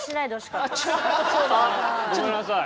あっごめんなさい。